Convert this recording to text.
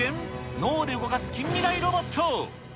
脳で動かす近未来ロボット。